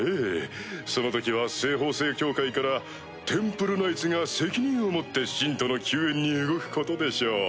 その時は西方聖教会からテンプルナイツが責任を持って信徒の救援に動くことでしょう。